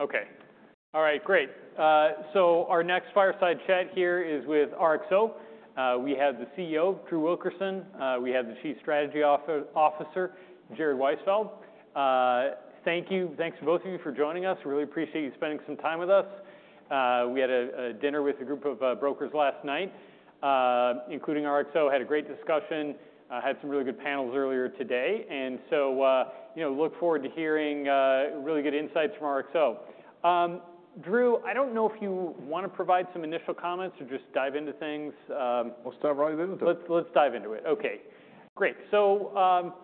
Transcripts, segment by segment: Okay. All right. Great. So our next fireside chat here is with RXO. We have the CEO, Drew Wilkerson. We have the Chief Strategy Officer, Jared Weisfeld. Thank you. Thanks to both of you for joining us. Really appreciate you spending some time with us. We had a dinner with a group of brokers last night, including RXO. Had a great discussion. Had some really good panels earlier today. So you know, look forward to hearing really good insights from RXO. Drew, I don't know if you wanna provide some initial comments or just dive into things. I'll dive right into it. Let's dive into it. Okay. Great. So,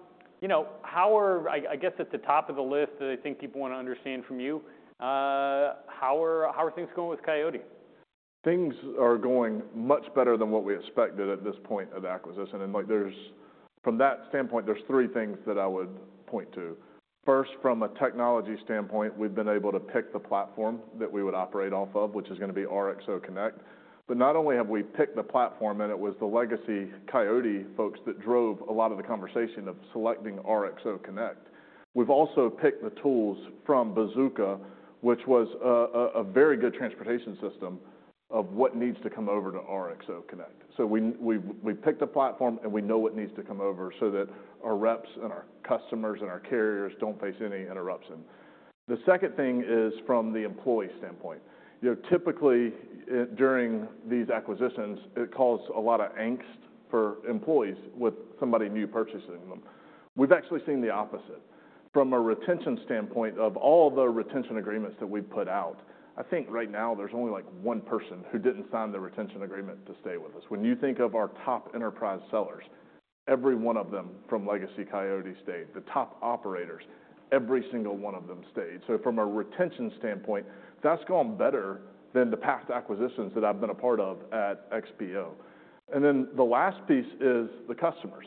you know, I guess at the top of the list that I think people wanna understand from you, how are things going with Coyote? Things are going much better than what we expected at this point of acquisition. And, like, from that standpoint, there's three things that I would point to. First, from a technology standpoint, we've been able to pick the platform that we would operate off of, which is gonna be RXO Connect. But not only have we picked the platform, and it was the legacy Coyote folks that drove a lot of the conversation of selecting RXO Connect. We've also picked the tools from Bazooka, which was a very good transportation system of what needs to come over to RXO Connect. So we picked a platform, and we know what needs to come over so that our reps and our customers and our carriers don't face any interruption. The second thing is from the employee standpoint. You know, typically, during these acquisitions, it caused a lot of angst for employees with somebody new purchasing them. We've actually seen the opposite. From a retention standpoint of all the retention agreements that we've put out, I think right now there's only, like, one person who didn't sign the retention agreement to stay with us. When you think of our top enterprise sellers, every one of them from legacy Coyote stayed. The top operators, every single one of them stayed. So from a retention standpoint, that's gone better than the past acquisitions that I've been a part of at XPO. And then the last piece is the customers.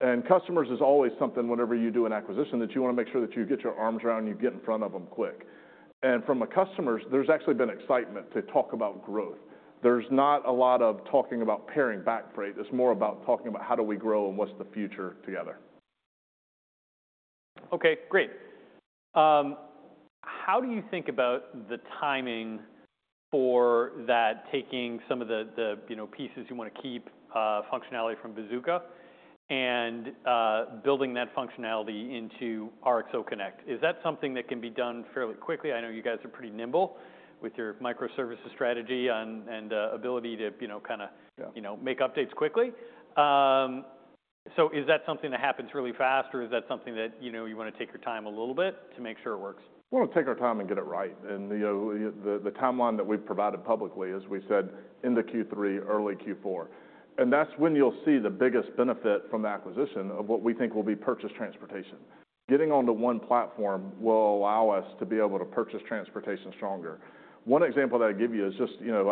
And customers is always something, whenever you do an acquisition, that you wanna make sure that you get your arms around and you get in front of them quick. And from a customers, there's actually been excitement to talk about growth. There's not a lot of talking about paring back, right? It's more about talking about how do we grow and what's the future together. Okay. Great. How do you think about the timing for that, taking some of the, you know, pieces you wanna keep, functionality from Bazooka and building that functionality into RXO Connect? Is that something that can be done fairly quickly? I know you guys are pretty nimble with your microservices strategy and ability to, you know, kinda. Yeah. You know, make updates quickly. So is that something that happens really fast, or is that something that, you know, you wanna take your time a little bit to make sure it works? We'll take our time and get it right, and, you know, the timeline that we've provided publicly is we said in Q3, early Q4, and that's when you'll see the biggest benefit from acquisition of what we think will be purchased transportation. Getting onto one platform will allow us to be able to purchase transportation stronger. One example that I give you is just, you know,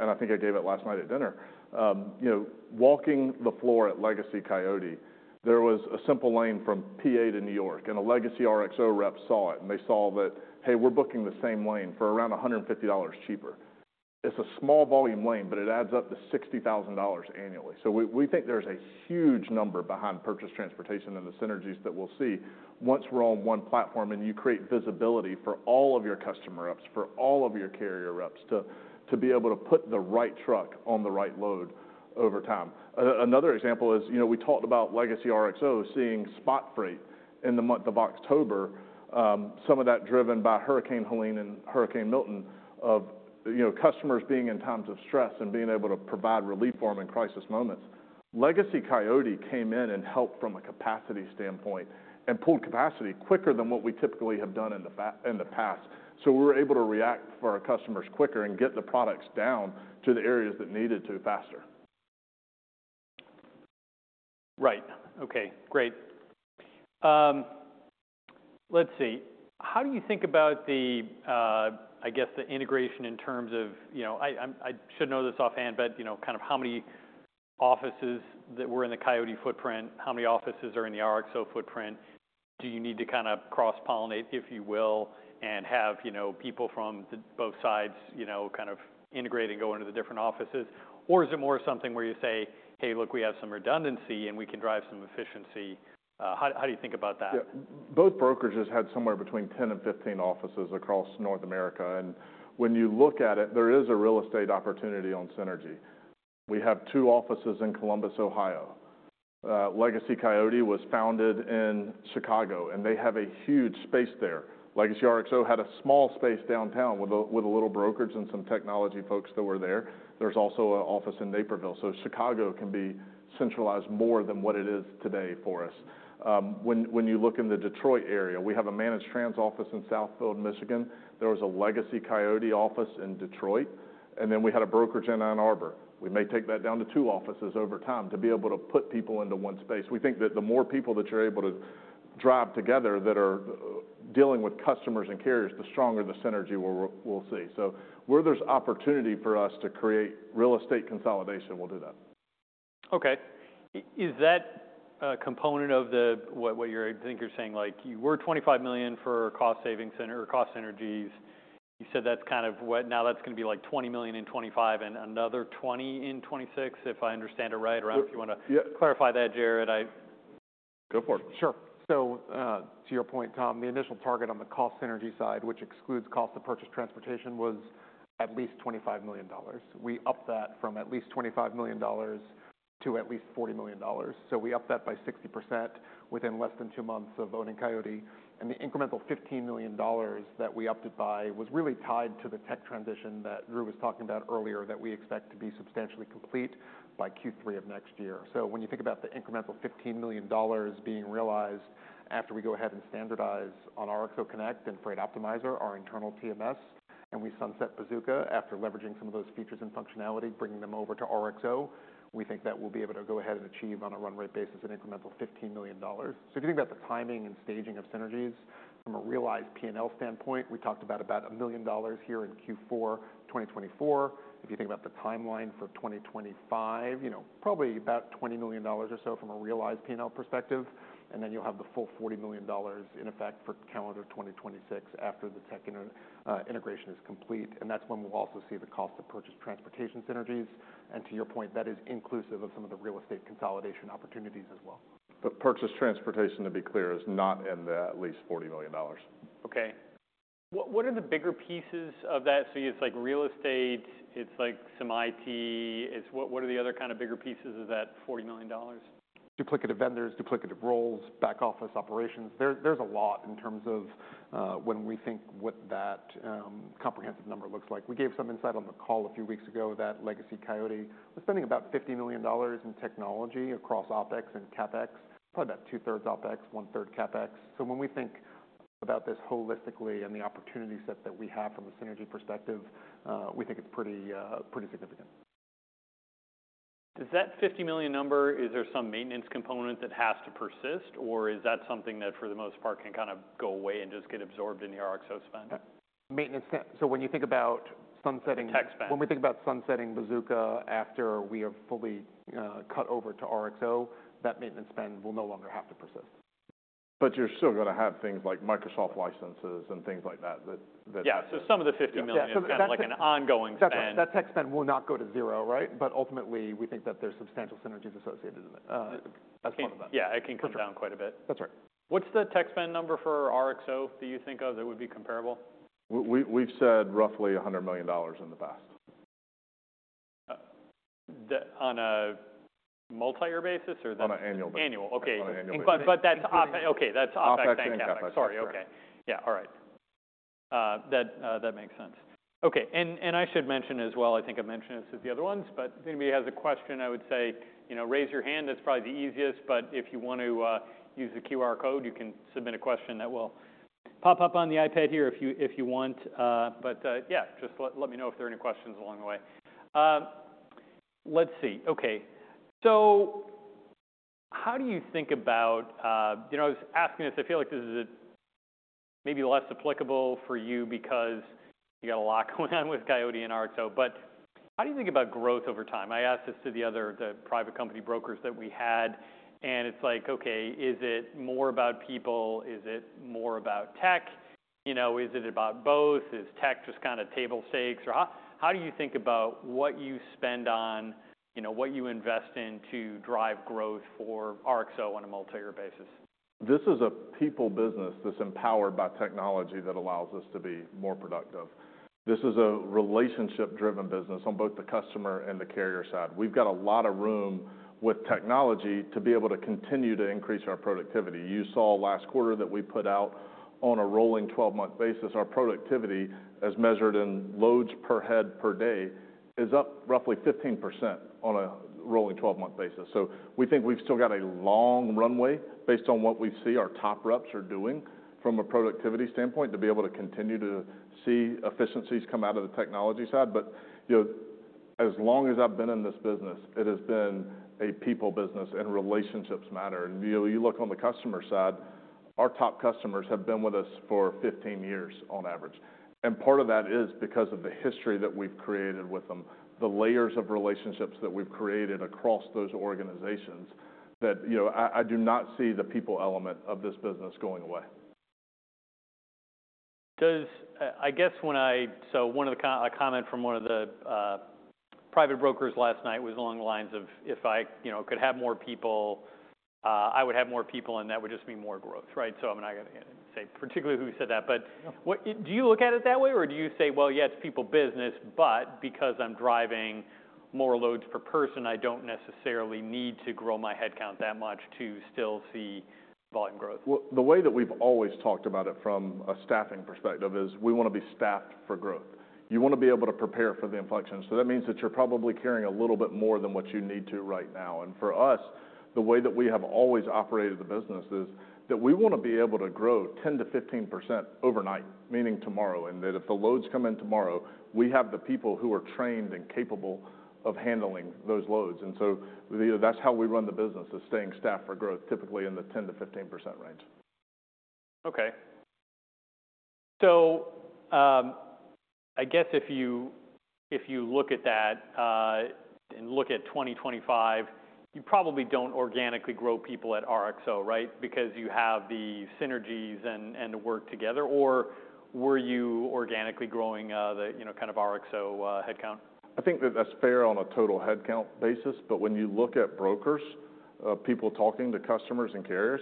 and I think I gave it last night at dinner, you know, walking the floor at legacy Coyote, there was a simple lane from PA to New York, and a Legacy RXO rep saw it, and they saw that, hey, we're booking the same lane for around $150 cheaper. It's a small volume lane, but it adds up to $60,000 annually. So we think there's a huge number behind purchased transportation and the synergies that we'll see once we're on one platform, and you create visibility for all of your customer reps, for all of your carrier reps to be able to put the right truck on the right load over time. Another example is, you know, we talked about Legacy RXO seeing spot freight in the month of October. Some of that driven by Hurricane Helene and Hurricane Milton, you know, customers being in times of stress and being able to provide relief for them in crisis moments. Legacy Coyote came in and helped from a capacity standpoint and pulled capacity quicker than what we typically have done in the past, so we were able to react for our customers quicker and get the products down to the areas that needed to faster. Right. Okay. Great. Let's see. How do you think about the, I guess, the integration in terms of, you know, I, I'm, I should know this offhand, but, you know, kind of how many offices that were in the Coyote footprint, how many offices are in the RXO footprint? Do you need to kinda cross-pollinate, if you will, and have, you know, people from the both sides, you know, kind of integrate and go into the different offices? Or is it more something where you say, "Hey, look, we have some redundancy and we can drive some efficiency." How, how do you think about that? Yeah. Both brokers just had somewhere between 10 and 15 offices across North America. And when you look at it, there is a real estate opportunity on synergy. We have two offices in Columbus, Ohio. Legacy Coyote was founded in Chicago, and they have a huge space there. Legacy RXO had a small space downtown with a little brokerage and some technology folks that were there. There's also an office in Naperville. So Chicago can be centralized more than what it is today for us. When you look in the Detroit area, we have a managed transportation office in Southfield, Michigan. There was a legacy Coyote office in Detroit. And then we had a brokerage in Ann Arbor. We may take that down to two offices over time to be able to put people into one space. We think that the more people that you're able to drive together that are dealing with customers and carriers, the stronger the synergy we'll, we'll see, so where there's opportunity for us to create real estate consolidation, we'll do that. Okay. Is that a component of what you're saying, I think, like, you were $25 million for cost savings and or cost synergies? You said that's kind of what now that's gonna be like $20 million in 2025 and another $20 million in 2026, if I understand it right, around if you wanna. Yeah. Clarify that, Jared. Go for it. Sure. So, to your point, Tom, the initial target on the cost synergy side, which excludes cost of purchased transportation, was at least $25 million. We upped that from at least $25 million to at least $40 million. So we upped that by 60% within less than two months of owning Coyote. And the incremental $15 million that we upped it by was really tied to the tech transition that Drew was talking about earlier that we expect to be substantially complete by Q3 of next year. So when you think about the incremental $15 million being realized after we go ahead and standardize on RXO Connect and Freight Optimizer, our internal TMS, and we sunset Bazooka after leveraging some of those features and functionality, bringing them over to RXO, we think that we'll be able to go ahead and achieve on a run rate basis an incremental $15 million. So if you think about the timing and staging of synergies from a realized P&L standpoint, we talked about $1 million here in Q4 2024. If you think about the timeline for 2025, you know, probably about $20 million or so from a realized P&L perspective. And then you'll have the full $40 million in effect for calendar 2026 after the tech integration is complete. And that's when we'll also see the cost of purchased transportation synergies. And to your point, that is inclusive of some of the real estate consolidation opportunities as well. Purchased transportation, to be clear, is not in the at least $40 million. Okay. What, what are the bigger pieces of that? So it's like real estate, it's like some IT, it's what, what are the other kind of bigger pieces of that $40 million? Duplicative vendors, duplicative roles, back office operations. There, there's a lot in terms of, when we think what that comprehensive number looks like. We gave some insight on the call a few weeks ago that legacy Coyote was spending about $50 million in technology across OpEx and CapEx, probably about 2/3 OpEx, 1/3 CapEx. So when we think about this holistically and the opportunity set that we have from a synergy perspective, we think it's pretty, pretty significant. Does that 50 million number, is there some maintenance component that has to persist, or is that something that for the most part can kind of go away and just get absorbed in the RXO spend? Maintenance spend. So when you think about sunsetting. Tech spend. When we think about sunsetting Bazooka after we have fully cut over to RXO, that maintenance spend will no longer have to persist. But you're still gonna have things like Microsoft licenses and things like that. Yeah, so some of the 50 million. Yeah. So that. Is kinda like an ongoing spend. That tech spend will not go to zero, right? But ultimately, we think that there's substantial synergies associated in it, as part of that. Yeah. It can come down quite a bit. That's right. What's the tech spend number for RXO that you think of that would be comparable? We've said roughly $100 million in the past. The on a multi-year basis or the? On an annual basis. Annual. Okay. On an annual basis. But that's OpEx, okay. That's OpEx and CapEx. Sorry. Okay. Yeah. All right. That makes sense. Okay. I should mention as well, I think I've mentioned this with the other ones, but if anybody has a question, I would say, you know, raise your hand. That's probably the easiest. But if you want to use the QR code, you can submit a question that will pop up on the iPad here if you want. Yeah, just let me know if there are any questions along the way. Let's see. Okay. How do you think about—you know, I was asking this. I feel like this is maybe less applicable for you because you got a lot going on with Coyote and RXO. But how do you think about growth over time? I asked this to the other, the private company brokers that we had, and it's like, okay, is it more about people? Is it more about tech? You know, is it about both? Is tech just kinda table stakes? Or how do you think about what you spend on, you know, what you invest in to drive growth for RXO on a multi-year basis? This is a people business that's empowered by technology that allows us to be more productive. This is a relationship-driven business on both the customer and the carrier side. We've got a lot of room with technology to be able to continue to increase our productivity. You saw last quarter that we put out on a rolling 12-month basis, our productivity, as measured in loads per head per day, is up roughly 15% on a rolling 12-month basis. So we think we've still got a long runway based on what we see our top reps are doing from a productivity standpoint to be able to continue to see efficiencies come out of the technology side, but you know, as long as I've been in this business, it has been a people business, and relationships matter. And, you know, you look on the customer side, our top customers have been with us for 15 years on average. And part of that is because of the history that we've created with them, the layers of relationships that we've created across those organizations that, you know, I do not see the people element of this business going away. So, I guess when I saw one of the comments from one of the private brokers last night was along the lines of, "If I, you know, could have more people, I would have more people, and that would just mean more growth," right? So I'm not gonna say particularly who said that. But do you look at it that way, or do you say, "Well, yeah, it's a people business, but because I'm driving more loads per person, I don't necessarily need to grow my headcount that much to still see volume growth?" The way that we've always talked about it from a staffing perspective is we wanna be staffed for growth. You wanna be able to prepare for the inflection. That means that you're probably carrying a little bit more than what you need to right now. For us, the way that we have always operated the business is that we wanna be able to grow 10%-15% overnight, meaning tomorrow, and that if the loads come in tomorrow, we have the people who are trained and capable of handling those loads. That's how we run the business, is staying staffed for growth, typically in the 10%-15% range. Okay. So, I guess if you look at that and look at 2025, you probably don't organically grow people at RXO, right, because you have the synergies and work together. Or were you organically growing you know kind of RXO headcount? I think that that's fair on a total headcount basis, but when you look at brokers, people talking to customers and carriers,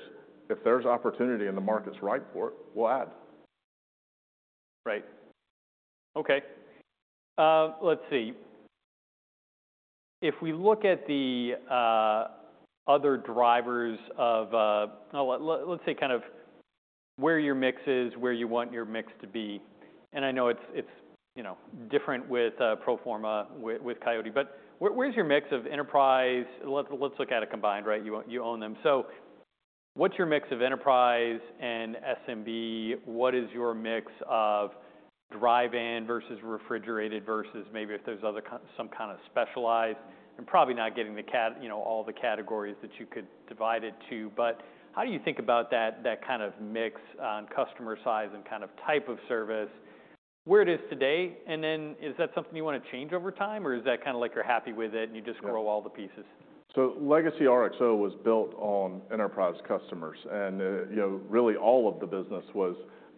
if there's opportunity and the market's right for it, we'll add. Right. Okay. Let's see. If we look at the other drivers of, oh, let's say kind of where your mix is, where you want your mix to be, and I know it's, you know, different with pro forma with Coyote, but where's your mix of enterprise? Let's look at it combined, right? You own them. So what's your mix of enterprise and SMB? What is your mix of dry van versus refrigerated versus maybe if there's other kind, some kind of specialized? I'm probably not getting, you know, all the categories that you could divide it to, but how do you think about that, that kind of mix on customer size and kind of type of service where it is today? And then is that something you wanna change over time, or is that kinda like you're happy with it and you just grow all the pieces? Legacy RXO was built on enterprise customers. You know, really all of the business was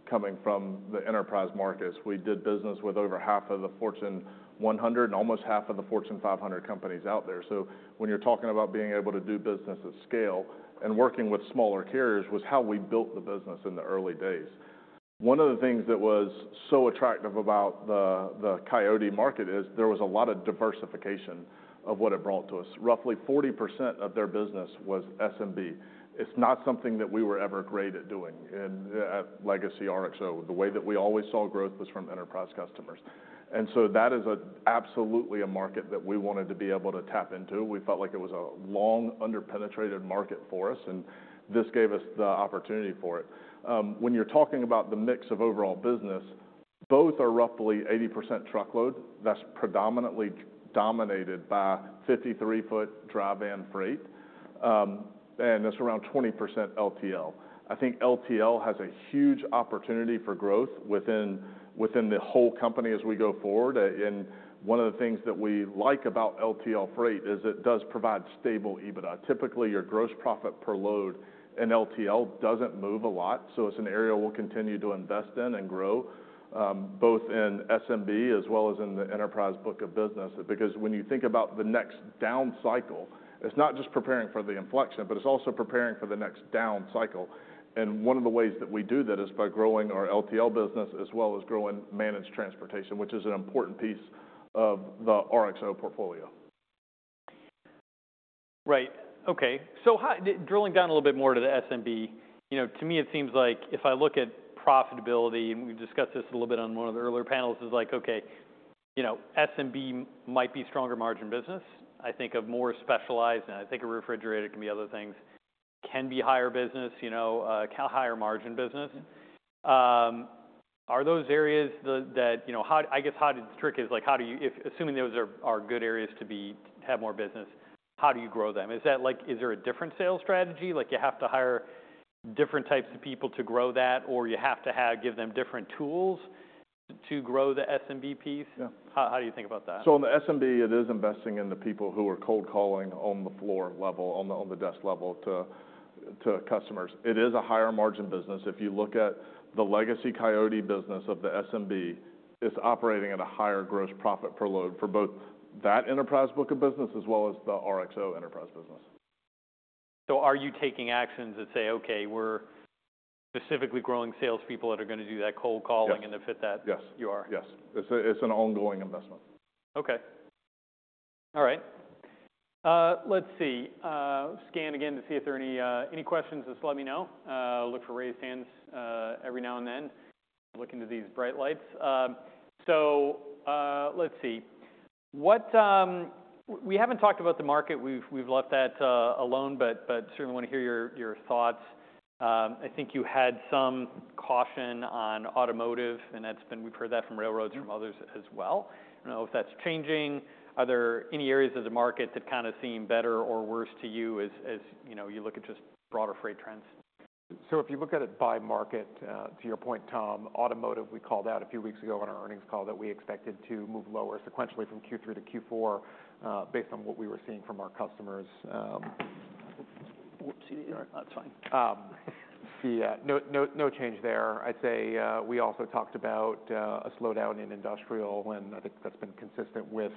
coming from the enterprise markets. We did business with over half of the Fortune 100 and almost half of the Fortune 500 companies out there. When you're talking about being able to do business at scale and working with smaller carriers was how we built the business in the early days. One of the things that was so attractive about the Coyote market is there was a lot of diversification of what it brought to us. Roughly 40% of their business was SMB. It's not something that we were ever great at doing in Legacy RXO. The way that we always saw growth was from enterprise customers. That is absolutely a market that we wanted to be able to tap into. We felt like it was a long, under-penetrated market for us, and this gave us the opportunity for it. When you're talking about the mix of overall business, both are roughly 80% truckload. That's predominantly dominated by 53 ft dry van freight. And it's around 20% LTL. I think LTL has a huge opportunity for growth within the whole company as we go forward. And one of the things that we like about LTL freight is it does provide stable EBITDA. Typically, your gross profit per load in LTL doesn't move a lot. So it's an area we'll continue to invest in and grow, both in SMB as well as in the enterprise book of business. Because when you think about the next down cycle, it's not just preparing for the inflection, but it's also preparing for the next down cycle. One of the ways that we do that is by growing our LTL business as well as growing managed transportation, which is an important piece of the RXO portfolio. Right. Okay. So, drilling down a little bit more to the SMB, you know, to me it seems like if I look at profitability, and we discussed this a little bit on one of the earlier panels, it's like, okay, you know, SMB might be stronger margin business. I think of more specialized, and I think a reefer can be other things, can be higher business, you know, higher margin business. Are those areas that, you know, how do you, if assuming those are good areas to have more business, how do you grow them? Is that like, is there a different sales strategy? Like, you have to hire different types of people to grow that, or you have to give them different tools to grow the SMB piece? Yeah. How do you think about that? On the SMB, it is investing in the people who are cold calling on the floor level, on the desk level to customers. It is a higher margin business. If you look at the legacy Coyote business of the SMB, it's operating at a higher gross profit per load for both that enterprise book of business as well as the RXO enterprise business. So are you taking actions that say, "Okay, we're specifically growing salespeople that are gonna do that cold calling and to fit that?" Yes. You are? Yes. It's an ongoing investment. Okay. All right. Let's see. Scan again to see if there are any, any questions, just let me know. Look for raised hands, every now and then. Look into these bright lights. So, let's see. What, we haven't talked about the market. We've, we've left that, alone, but, but certainly wanna hear your, your thoughts. I think you had some caution on automotive, and that's been we've heard that from railroads, from others as well. I don't know if that's changing. Are there any areas of the market that kinda seem better or worse to you as, as, you know, you look at just broader freight trends? So if you look at it by market, to your point, Tom, automotive, we called out a few weeks ago on our earnings call that we expected to move lower sequentially from Q3 to Q4, based on what we were seeing from our customers. Whoops. See that? That's fine. See, no, no, no change there. I'd say, we also talked about a slowdown in industrial, and I think that's been consistent with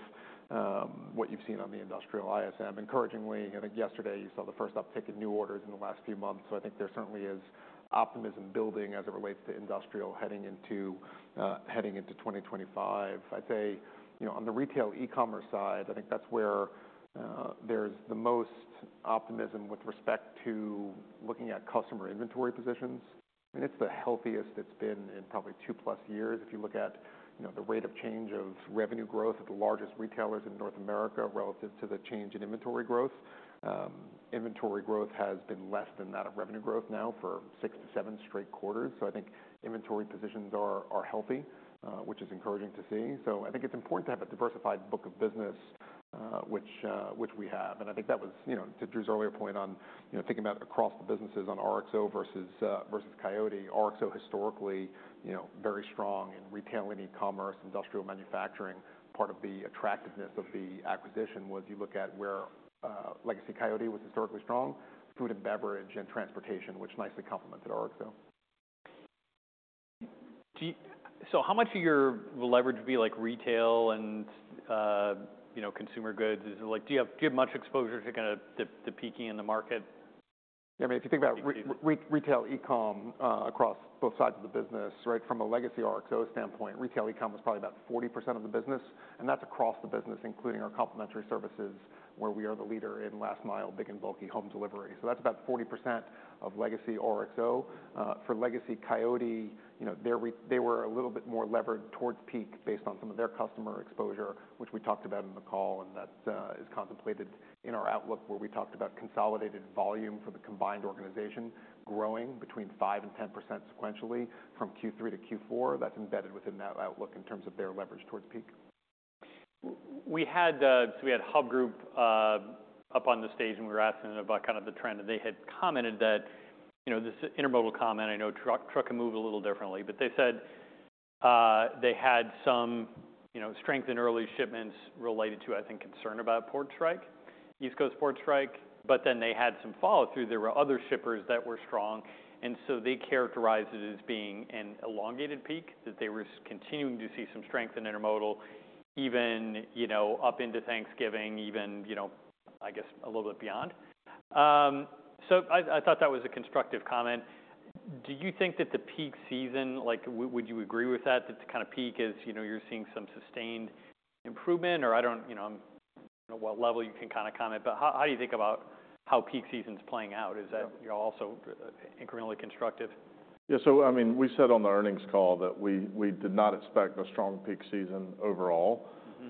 what you've seen on the industrial ISM. Encouragingly, I think yesterday you saw the first uptick in new orders in the last few months. So I think there certainly is optimism building as it relates to industrial heading into, heading into 2025. I'd say, you know, on the retail e-commerce side, I think that's where there's the most optimism with respect to looking at customer inventory positions. I mean, it's the healthiest it's been in probably two-plus years. If you look at, you know, the rate of change of revenue growth at the largest retailers in North America relative to the change in inventory growth, inventory growth has been less than that of revenue growth now for six-to-seven straight quarters. I think inventory positions are healthy, which is encouraging to see. I think it's important to have a diversified book of business, which we have. I think that was, you know, to Drew's earlier point on, you know, thinking about across the businesses on RXO versus Coyote. RXO historically, you know, very strong in retail and e-commerce, industrial manufacturing. Part of the attractiveness of the acquisition was you look at where legacy Coyote was historically strong, food and beverage, and transportation, which nicely complemented RXO. Do you see how much of your volume would be like retail and, you know, consumer goods? Is it like do you have much exposure to kinda the peaking in the market? Yeah. I mean, if you think about retail e-com, across both sides of the business, right, from a Legacy RXO standpoint, retail e-com is probably about 40% of the business. And that's across the business, including our complementary services where we are the leader in last-mile, big and bulky home delivery. So that's about 40% of Legacy RXO. For legacy Coyote, you know, they were a little bit more levered towards peak based on some of their customer exposure, which we talked about in the call, and that is contemplated in our outlook where we talked about consolidated volume for the combined organization growing between 5%-10% sequentially from Q3 to Q4. That's embedded within that outlook in terms of their leverage towards peak. So we had Hub Group up on the stage, and we were asking them about kind of the trend. And they had commented that, you know, this intermodal comment, I know truck can move a little differently. But they said they had some, you know, strength in early shipments related to, I think, concern about port strike, East Coast port strike. But then they had some follow-through. There were other shippers that were strong. And so they characterized it as being an elongated peak, that they were continuing to see some strength in intermodal even, you know, up into Thanksgiving, even, you know, I guess, a little bit beyond. So I thought that was a constructive comment. Do you think that the peak season, like, would you agree with that, that the kinda peak is, you know, you're seeing some sustained improvement? Or, I don't, you know, I'm not sure what level you can kinda comment. But how do you think about how peak season's playing out? Is that, you know, also incrementally constructive? Yeah, so I mean, we said on the earnings call that we, we did not expect a strong peak season overall.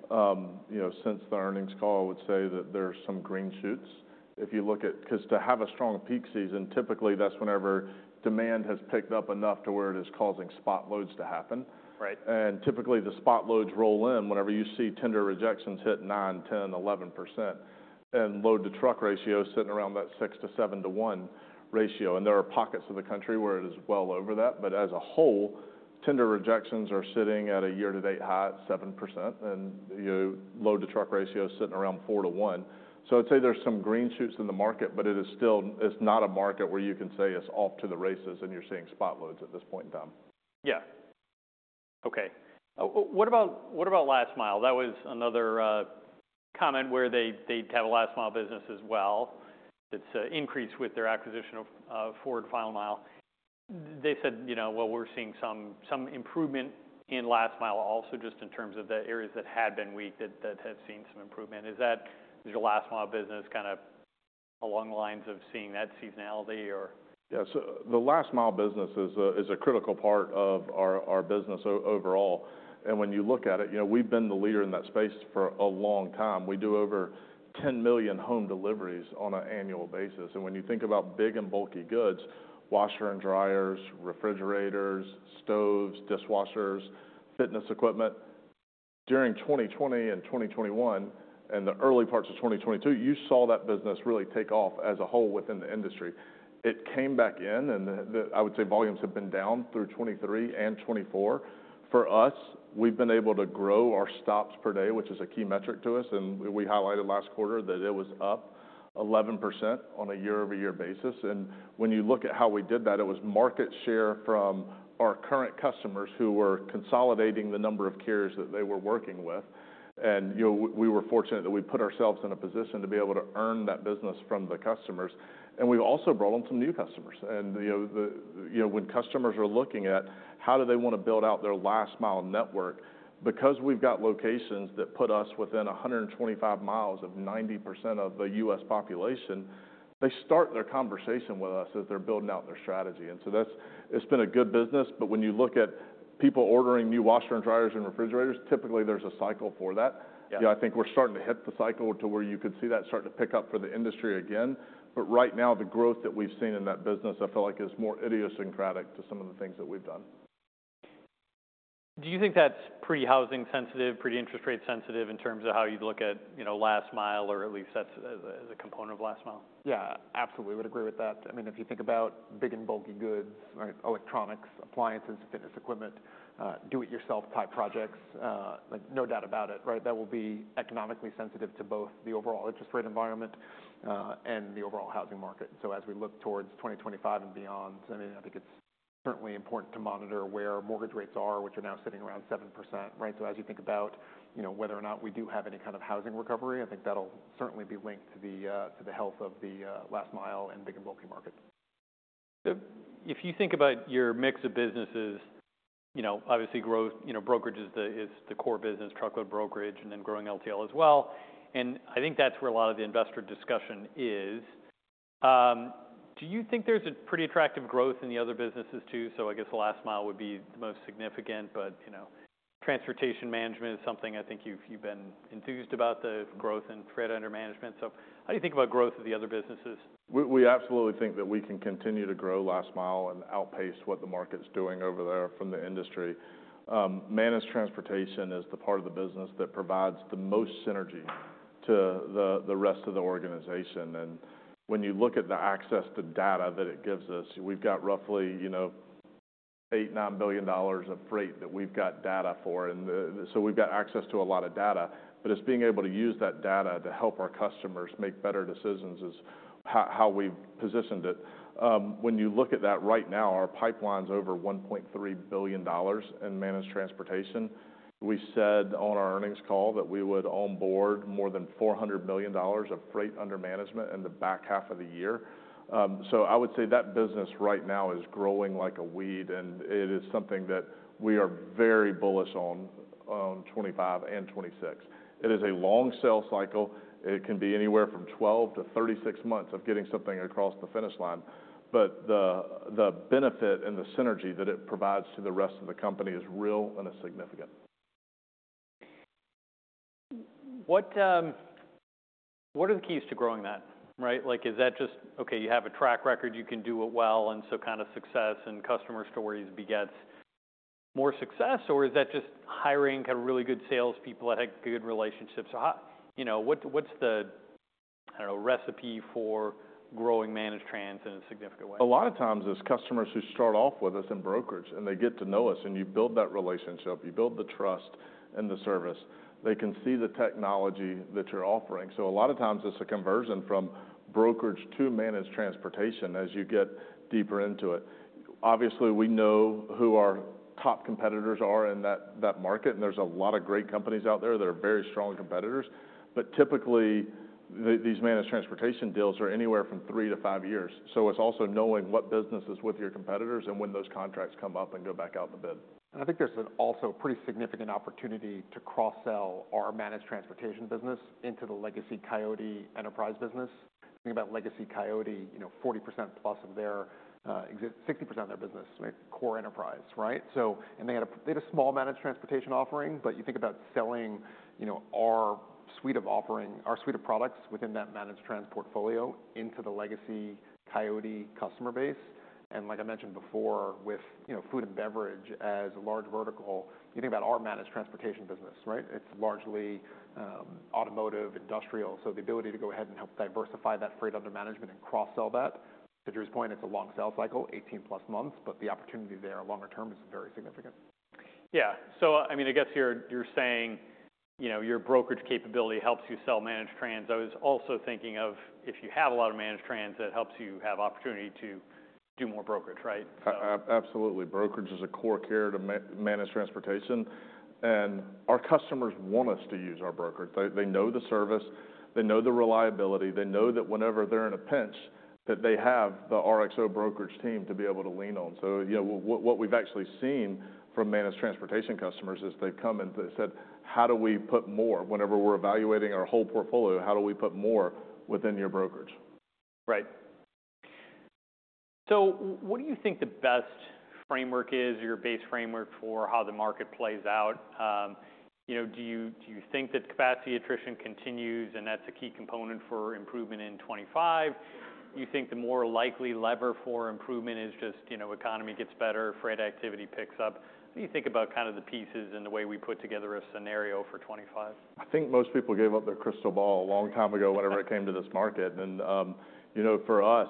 Mm-hmm. You know, since the earnings call, I would say that there's some green shoots if you look at 'cause to have a strong peak season, typically that's whenever demand has picked up enough to where it is causing spot loads to happen. Right. Typically the spot loads roll in whenever you see tender rejections hit 9%, 10%, 11%, and load-to-truck ratio sitting around that 6:7:1 ratio. There are pockets of the country where it is well over that. As a whole, tender rejections are sitting at a year-to-date high at 7%, and, you know, load-to-truck ratio sitting around 4:1. I'd say there's some green shoots in the market, but it is still, it's not a market where you can say it's off to the races and you're seeing spot loads at this point in time. Yeah. Okay. What about last mile? That was another comment where they, they'd have a last-mile business as well. It's an increase with their acquisition of Forward Final Mile. They said, you know, well, we're seeing some improvement in last mile also just in terms of the areas that had been weak that have seen some improvement. Is that your last-mile business kinda along the lines of seeing that seasonality or? Yeah. So the last-mile business is a critical part of our business overall. And when you look at it, you know, we've been the leader in that space for a long time. We do over 10 million home deliveries on an annual basis. And when you think about big and bulky goods, washer and dryers, refrigerators, stoves, dishwashers, fitness equipment, during 2020 and 2021 and the early parts of 2022, you saw that business really take off as a whole within the industry. It came back in, and I would say volumes have been down through 2023 and 2024. For us, we've been able to grow our stops per day, which is a key metric to us. And we highlighted last quarter that it was up 11% on a year-over-year basis. And when you look at how we did that, it was market share from our current customers who were consolidating the number of carriers that they were working with. And, you know, we were fortunate that we put ourselves in a position to be able to earn that business from the customers. And we've also brought on some new customers. And, you know, when customers are looking at how do they wanna build out their last mile network, because we've got locations that put us within 125 mi of 90% of the U.S. population, they start their conversation with us as they're building out their strategy. And so that's, it's been a good business. But when you look at people ordering new washer and dryers and refrigerators, typically there's a cycle for that. Yeah. You know, I think we're starting to hit the cycle to where you could see that start to pick up for the industry again. But right now, the growth that we've seen in that business, I feel like is more idiosyncratic to some of the things that we've done. Do you think that's pretty housing-sensitive, pretty interest-rate-sensitive in terms of how you look at, you know, last mile, or at least that's as a component of last mile? Yeah. Absolutely. I would agree with that. I mean, if you think about big and bulky goods, right, electronics, appliances, fitness equipment, do-it-yourself type projects, like, no doubt about it, right, that will be economically sensitive to both the overall interest-rate environment, and the overall housing market. And so as we look towards 2025 and beyond, I mean, I think it's certainly important to monitor where mortgage rates are, which are now sitting around 7%, right? So as you think about, you know, whether or not we do have any kind of housing recovery, I think that'll certainly be linked to the health of the last-mile and big and bulky market. If you think about your mix of businesses, you know, obviously growth, you know, brokerage is the, is the core business, truckload brokerage, and then growing LTL as well. And I think that's where a lot of the investor discussion is. Do you think there's a pretty attractive growth in the other businesses too? So I guess last mile would be the most significant. But, you know, transportation management is something I think you've, you've been enthused about the growth in freight under management. So how do you think about growth of the other businesses? We absolutely think that we can continue to grow last mile and outpace what the market's doing over there from the industry. Managed transportation is the part of the business that provides the most synergy to the rest of the organization. And when you look at the access to data that it gives us, we've got roughly, you know, $8 billion-$9 billion of freight that we've got data for. And so we've got access to a lot of data. But it's being able to use that data to help our customers make better decisions is how we've positioned it. When you look at that right now, our pipeline's over $1.3 billion in managed transportation. We said on our earnings call that we would onboard more than $400 million of freight under management in the back half of the year. So I would say that business right now is growing like a weed, and it is something that we are very bullish on, on 2025 and 2026. It is a long sales cycle. It can be anywhere from 12 to 36 months of getting something across the finish line. But the benefit and the synergy that it provides to the rest of the company is real and is significant. What are the keys to growing that, right? Like, is that just, okay, you have a track record, you can do it well, and so kinda success and customer stories begets more success? Or is that just hiring kinda really good salespeople that have good relationships? Or how, you know, what's the, I don't know, recipe for growing managed trans in a significant way? A lot of times it's customers who start off with us in brokerage, and they get to know us, and you build that relationship, you build the trust in the service, they can see the technology that you're offering. So a lot of times it's a conversion from brokerage to managed transportation as you get deeper into it. Obviously, we know who our top competitors are in that market, and there's a lot of great companies out there that are very strong competitors. But typically, these managed transportation deals are anywhere from three to five years. So it's also knowing what business is with your competitors and when those contracts come up and go back out the bid. I think there's also a pretty significant opportunity to cross-sell our managed transportation business into the legacy Coyote enterprise business. Think about legacy Coyote, you know, 40% plus of their, it's 60% of their business, their core enterprise, right? So they had a small managed transportation offering, but you think about selling, you know, our suite of offering, our suite of products within that managed trans portfolio into the legacy Coyote customer base, like I mentioned before, with you know, food and beverage as a large vertical, you think about our managed transportation business, right? It's largely automotive, industrial, so the ability to go ahead and help diversify that freight under management and cross-sell that. To Drew's point, it's a long sales cycle, 18-plus months, but the opportunity there longer term is very significant. Yeah. So I mean, I guess you're saying, you know, your brokerage capability helps you sell managed trans. I was also thinking of if you have a lot of managed trans, it helps you have opportunity to do more brokerage, right? Absolutely. Brokerage is a core part of managed transportation. And our customers want us to use our brokerage. They know the service, they know the reliability, they know that whenever they're in a pinch, that they have the RXO brokerage team to be able to lean on. So, you know, what we've actually seen from managed transportation customers is they've come and they said, "How do we put more whenever we're evaluating our whole portfolio? How do we put more within your brokerage? Right. So what do you think the best framework is, your base framework for how the market plays out? You know, do you, do you think that capacity attrition continues and that's a key component for improvement in 2025? Do you think the more likely lever for improvement is just, you know, economy gets better, freight activity picks up? What do you think about kinda the pieces and the way we put together a scenario for 2025? I think most people gave up their crystal ball a long time ago whenever it came to this market, and you know, for us,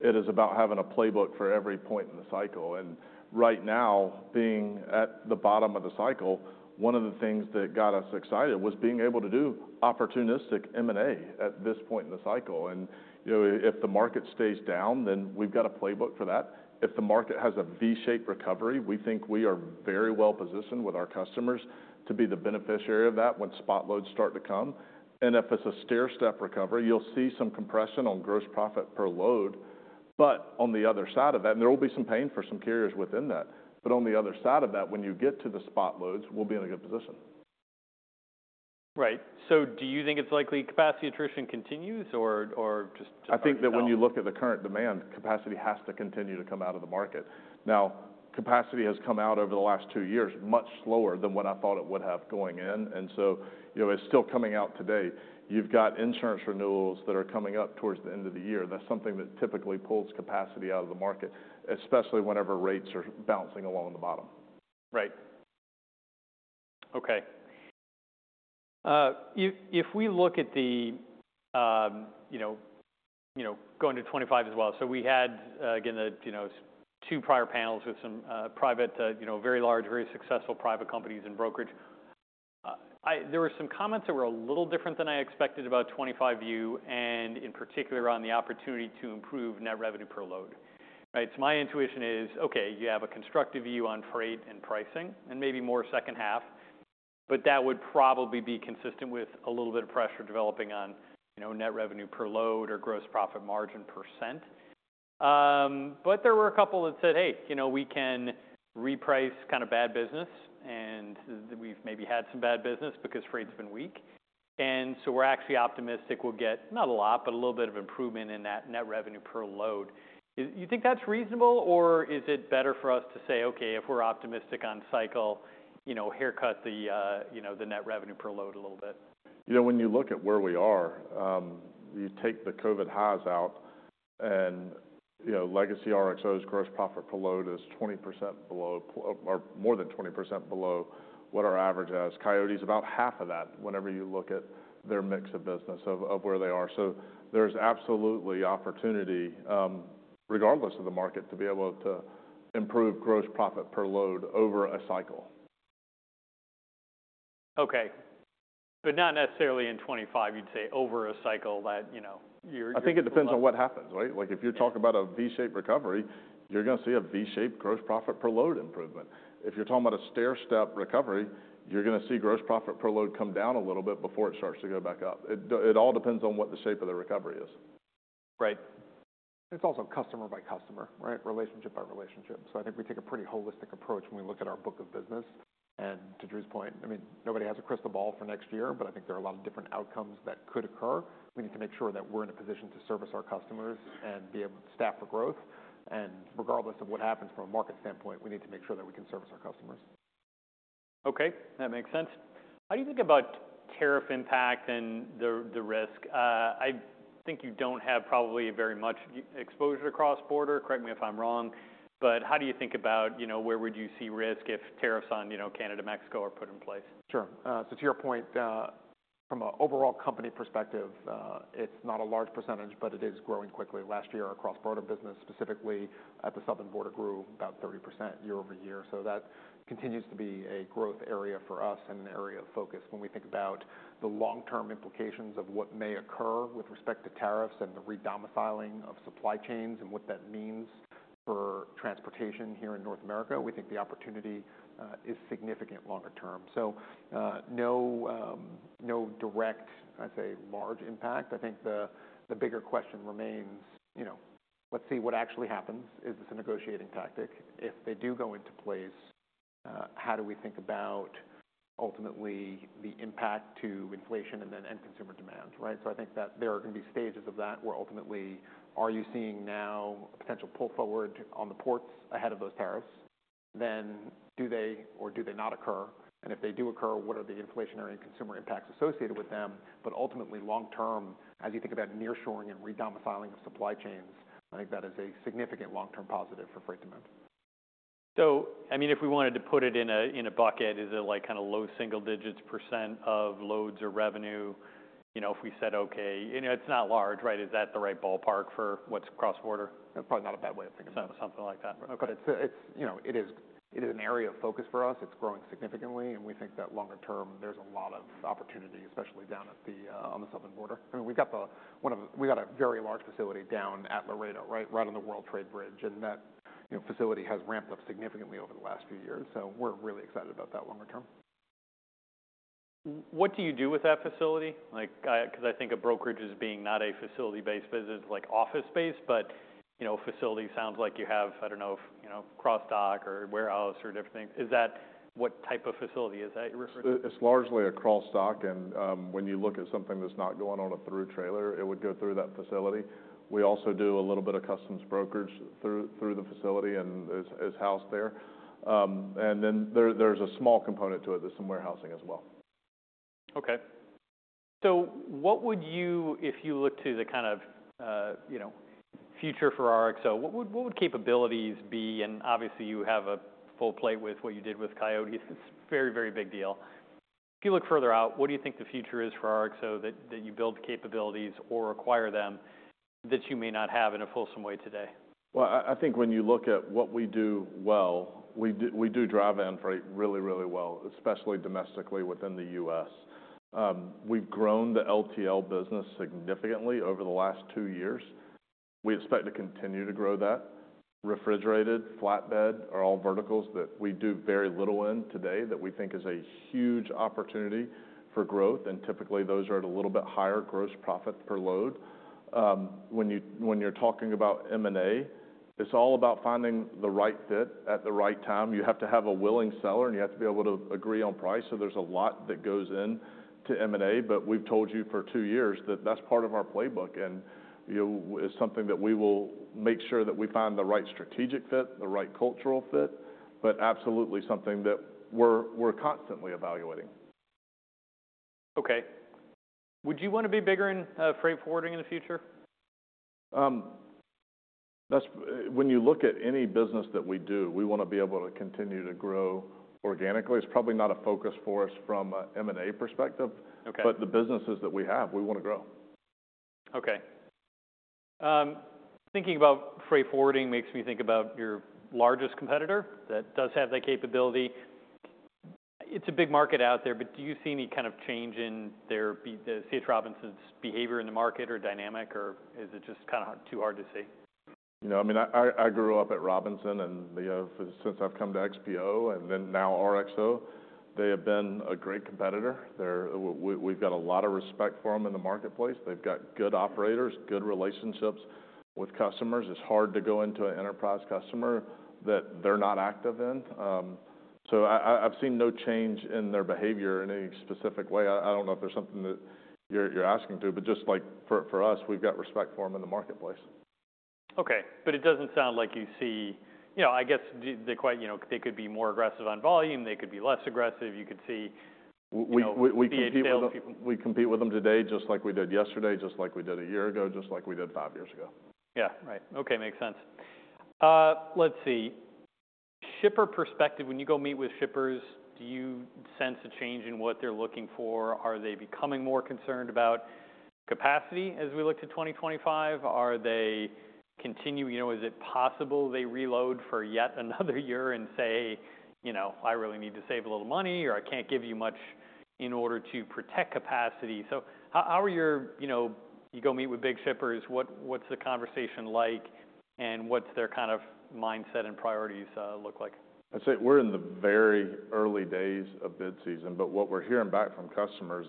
it is about having a playbook for every point in the cycle, and right now, being at the bottom of the cycle, one of the things that got us excited was being able to do opportunistic M&A at this point in the cycle, and you know, if the market stays down, then we've got a playbook for that. If the market has a V-shaped recovery, we think we are very well positioned with our customers to be the beneficiary of that when spot loads start to come, and if it's a stair-step recovery, you'll see some compression on gross profit per load, but on the other side of that, and there will be some pain for some carriers within that. But on the other side of that, when you get to the spot loads, we'll be in a good position. Right. So do you think it's likely capacity attrition continues or just? I think that when you look at the current demand, capacity has to continue to come out of the market. Now, capacity has come out over the last two years much slower than what I thought it would have going in. And so, you know, it's still coming out today. You've got insurance renewals that are coming up towards the end of the year. That's something that typically pulls capacity out of the market, especially whenever rates are bouncing along the bottom. Right. Okay. If we look at the you know going to 2025 as well. So we had, again, the two prior panels with some private, you know, very large, very successful private companies in brokerage. There were some comments that were a little different than I expected about 2025 view and in particular on the opportunity to improve net revenue per load, right? So my intuition is, okay, you have a constructive view on freight and pricing and maybe more second half, but that would probably be consistent with a little bit of pressure developing on, you know, net revenue per load or gross profit margin percent. But there were a couple that said, "Hey, you know, we can reprice kinda bad business, and we've maybe had some bad business because freight's been weak. And so we're actually optimistic we'll get not a lot, but a little bit of improvement in that net revenue per load." Do you think that's reasonable or is it better for us to say, "Okay, if we're optimistic on cycle, you know, haircut the, you know, the net revenue per load a little bit?" You know, when you look at where we are, you take the COVID highs out and, you know, Legacy RXO's gross profit per load is 20% below or more than 20% below what our average has. Coyote's about half of that whenever you look at their mix of business of where they are. So there's absolutely opportunity, regardless of the market, to be able to improve gross profit per load over a cycle. Okay. But not necessarily in 2025, you'd say over a cycle that, you know, you're. I think it depends on what happens, right? Like, if you're talking about a V-shaped recovery, you're gonna see a V-shaped gross profit per load improvement. If you're talking about a stair-step recovery, you're gonna see gross profit per load come down a little bit before it starts to go back up. It, it all depends on what the shape of the recovery is. Right. It's also customer by customer, right? Relationship by relationship, so I think we take a pretty holistic approach when we look at our book of business, and to Drew's point, I mean, nobody has a crystal ball for next year, but I think there are a lot of different outcomes that could occur. We need to make sure that we're in a position to service our customers and be able to staff for growth, and regardless of what happens from a market standpoint, we need to make sure that we can service our customers. Okay. That makes sense. How do you think about tariff impact and the risk? I think you don't have probably very much exposure to cross-border. Correct me if I'm wrong. But how do you think about, you know, where would you see risk if tariffs on, you know, Canada, Mexico are put in place? Sure. So to your point, from an overall company perspective, it's not a large percentage, but it is growing quickly. Last year, our cross-border business, specifically at the southern border, grew about 30% year over year. So that continues to be a growth area for us and an area of focus when we think about the long-term implications of what may occur with respect to tariffs and the redomiciling of supply chains and what that means for transportation here in North America. We think the opportunity is significant longer term. So, no, no direct, I'd say, large impact. I think the bigger question remains, you know, let's see what actually happens. Is this a negotiating tactic? If they do go into place, how do we think about ultimately the impact to inflation and then end consumer demand, right? So I think that there are gonna be stages of that where ultimately, are you seeing now a potential pull forward on the ports ahead of those tariffs? Then do they or do they not occur? And if they do occur, what are the inflationary and consumer impacts associated with them? But ultimately, long-term, as you think about nearshoring and redomiciling of supply chains, I think that is a significant long-term positive for freight demand. I mean, if we wanted to put it in a bucket, is it like kinda low single digits percent of loads or revenue, you know, if we said, "Okay, you know, it's not large," right? Is that the right ballpark for what's cross-border? That's probably not a bad way of thinking about it. Something like that. Okay. It's you know, it is an area of focus for us. It's growing significantly. We think that longer term, there's a lot of opportunity, especially down on the southern border. I mean, we've got a very large facility down at Laredo, right? Right on the World Trade Bridge. And that you know, facility has ramped up significantly over the last few years. We're really excited about that longer term. What do you do with that facility? Like, 'cause I think of brokerage as being not a facility-based business, like office-based, but, you know, facility sounds like you have, I don't know if, you know, cross-dock or warehouse or different things. Is that what type of facility is that you're referring to? It's largely a cross-dock. When you look at something that's not going on a through trailer, it would go through that facility. We also do a little bit of customs brokerage through the facility and is housed there. Then there's a small component to it that's in warehousing as well. Okay. So what would you, if you look to the kind of, you know, future for RXO, what would, what would capabilities be? And obviously, you have a full plate with what you did with Coyote. It's a very, very big deal. If you look further out, what do you think the future is for RXO that, that you build capabilities or acquire them that you may not have in a fulsome way today? I think when you look at what we do well, we do dry van freight really, really well, especially domestically within the U.S. We've grown the LTL business significantly over the last two years. We expect to continue to grow that. Refrigerated, flatbed are all verticals that we do very little in today that we think is a huge opportunity for growth. And typically, those are at a little bit higher gross profit per load. When you're talking about M&A, it's all about finding the right fit at the right time. You have to have a willing seller, and you have to be able to agree on price. So there's a lot that goes into M&A. But we've told you for two years that that's part of our playbook. You know, it's something that we will make sure that we find the right strategic fit, the right cultural fit, but absolutely something that we're constantly evaluating. Okay. Would you wanna be bigger in freight forwarding in the future? That's when you look at any business that we do, we wanna be able to continue to grow organically. It's probably not a focus for us from a M&A perspective. Okay. But the businesses that we have, we wanna grow. Okay. Thinking about freight forwarding makes me think about your largest competitor that does have that capability. It's a big market out there, but do you see any kind of change in the C.H. Robinson's behavior in the market or dynamic, or is it just kinda too hard to see? You know, I mean, I grew up at Robinson, and, you know, since I've come to XPO and then now RXO, they have been a great competitor. We've got a lot of respect for them in the marketplace. They've got good operators, good relationships with customers. It's hard to go into an enterprise customer that they're not active in. I, I've seen no change in their behavior in any specific way. I don't know if there's something that you're asking to, but just like for us, we've got respect for them in the marketplace. Okay. But it doesn't sound like you see, you know, I guess. Do they quite, you know, they could be more aggressive on volume. They could be less aggressive. You could see these salespeople. We compete with them today just like we did yesterday, just like we did a year ago, just like we did five years ago. Yeah. Right. Okay. Makes sense. Let's see. Shipper perspective, when you go meet with shippers, do you sense a change in what they're looking for? Are they becoming more concerned about capacity as we look to 2025? Are they continuing, you know, is it possible they reload for yet another year and say, you know, "I really need to save a little money," or, "I can't give you much in order to protect capacity?" So how are you, you know, when you go meet with big shippers, what's the conversation like, and what's their kind of mindset and priorities look like? I'd say we're in the very early days of bid season, but what we're hearing back from customers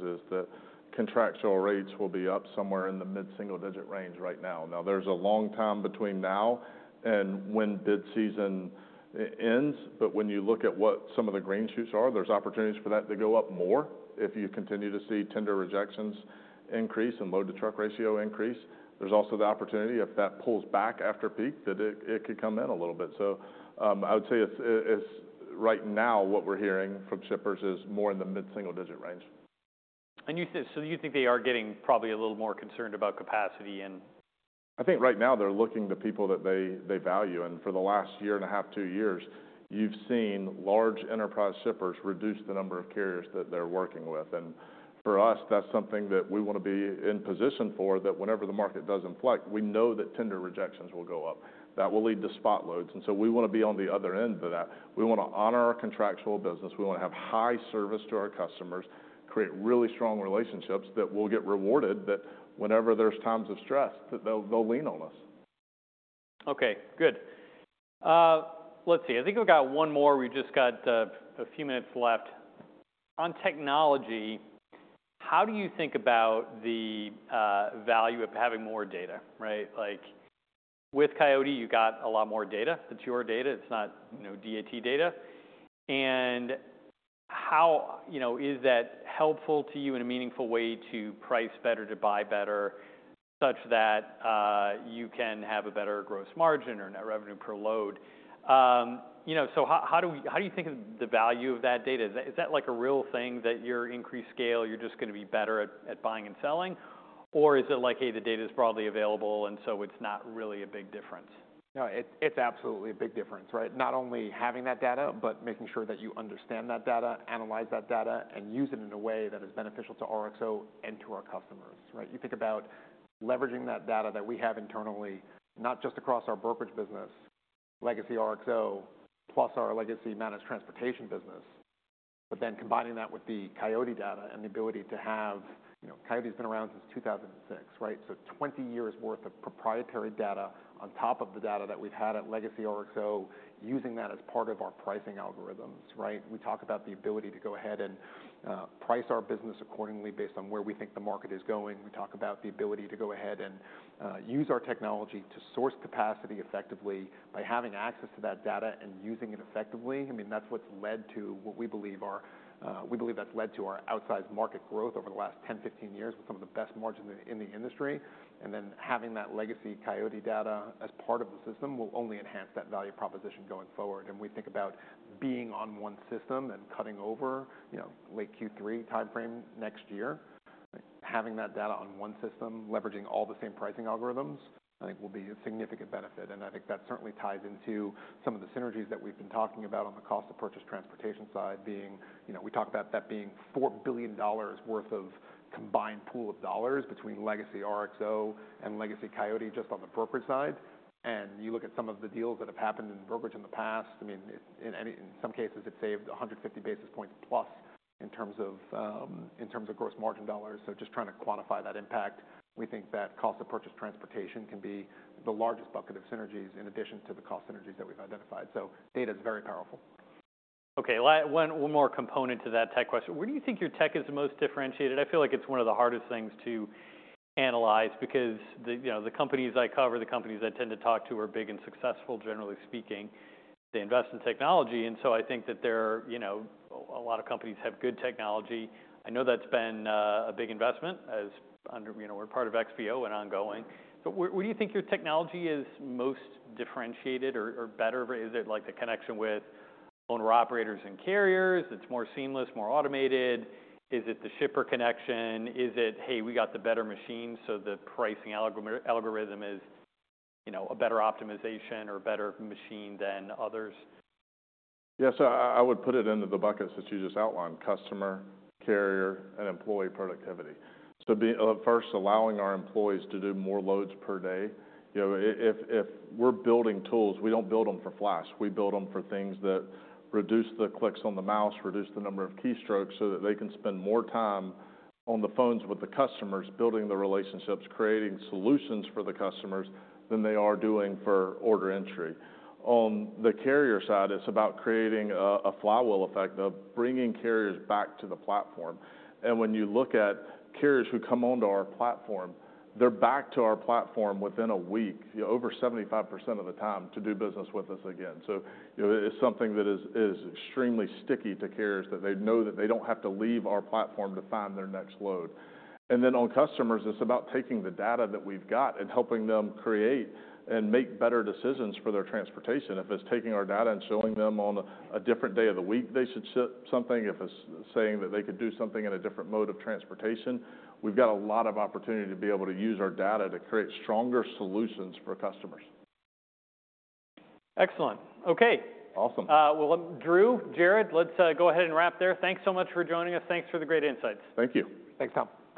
is that contractual rates will be up somewhere in the mid-single digit range right now. Now, there's a long time between now and when bid season ends, but when you look at what some of the green shoots are, there's opportunities for that to go up more if you continue to see tender rejections increase and load-to-truck ratio increase. There's also the opportunity, if that pulls back after peak, that it could come in a little bit, so I would say it's right now what we're hearing from shippers is more in the mid-single digit range. You said, so you think they are getting probably a little more concerned about capacity and. I think right now they're looking to people that they, they value, and for the last year and a half, two years, you've seen large enterprise shippers reduce the number of carriers that they're working with, and for us, that's something that we wanna be in position for, that whenever the market does inflect, we know that tender rejections will go up. That will lead to spot loads, and so we wanna be on the other end of that. We wanna honor our contractual business. We wanna have high service to our customers, create really strong relationships that we'll get rewarded, that whenever there's times of stress, that they'll, they'll lean on us. Okay. Good. Let's see. I think we've got one more. We've just got a few minutes left. On technology, how do you think about the value of having more data, right? Like, with Coyote, you got a lot more data. It's your data. It's not, you know, DAT data. And how, you know, is that helpful to you in a meaningful way to price better, to buy better such that you can have a better gross margin or net revenue per load? You know, so how, how do we, how do you think of the value of that data? Is that, is that like a real thing that your increased scale, you're just gonna be better at, at buying and selling? Or is it like, hey, the data's broadly available, and so it's not really a big difference? No, it's absolutely a big difference, right? Not only having that data, but making sure that you understand that data, analyze that data, and use it in a way that is beneficial to RXO and to our customers, right? You think about leveraging that data that we have internally, not just across our brokerage business, Legacy RXO, plus our Legacy managed transportation business, but then combining that with the Coyote data and the ability to have, you know, Coyote's been around since 2006, right? So 20 years' worth of proprietary data on top of the data that we've had at Legacy RXO, using that as part of our pricing algorithms, right? We talk about the ability to go ahead and price our business accordingly based on where we think the market is going. We talk about the ability to go ahead and use our technology to source capacity effectively by having access to that data and using it effectively. I mean, that's what's led to what we believe that's led to our outsized market growth over the last 10, 15 years with some of the best margins in the industry, and then having that Legacy Coyote data as part of the system will only enhance that value proposition going forward, and we think about being on one system and cutting over, you know, late Q3 timeframe next year. Having that data on one system, leveraging all the same pricing algorithms, I think will be a significant benefit. I think that certainly ties into some of the synergies that we've been talking about on the cost of purchased transportation side being, you know, we talk about that being $4 billion worth of combined pool of dollars between Legacy RXO and legacy Coyote just on the brokerage side. You look at some of the deals that have happened in brokerage in the past. I mean, in some cases, it saved 150 basis points plus in terms of, in terms of gross margin dollars. Just trying to quantify that impact, we think that cost of purchased transportation can be the largest bucket of synergies in addition to the cost synergies that we've identified. Data's very powerful. Okay. Last one, one more component to that tech question. Where do you think your tech is the most differentiated? I feel like it's one of the hardest things to analyze because, you know, the companies I cover, the companies I tend to talk to are big and successful, generally speaking. They invest in technology. And so I think that they're, you know, a lot of companies have good technology. I know that's been a big investment as under, you know, we're part of XPO and ongoing. So where do you think your technology is most differentiated or better? Is it like the connection with owner-operators and carriers? It's more seamless, more automated? Is it the shipper connection? Is it, hey, we got the better machine, so the pricing algorithm is, you know, a better optimization or better machine than others? Yeah. So I would put it into the buckets that you just outlined: customer, carrier, and employee productivity. So being, first allowing our employees to do more loads per day. You know, if we're building tools, we don't build them for flash. We build them for things that reduce the clicks on the mouse, reduce the number of keystrokes so that they can spend more time on the phones with the customers, building the relationships, creating solutions for the customers than they are doing for order entry. On the carrier side, it's about creating a flywheel effect of bringing carriers back to the platform. And when you look at carriers who come onto our platform, they're back to our platform within a week, you know, over 75% of the time to do business with us again. So, you know, it's something that is extremely sticky to carriers that they know that they don't have to leave our platform to find their next load. And then on customers, it's about taking the data that we've got and helping them create and make better decisions for their transportation. If it's taking our data and showing them on a different day of the week, they should ship something. If it's saying that they could do something in a different mode of transportation, we've got a lot of opportunity to be able to use our data to create stronger solutions for customers. Excellent. Okay. Awesome. Drew, Jared, let's go ahead and wrap there. Thanks so much for joining us. Thanks for the great insights. Thank you. Thanks, Tom.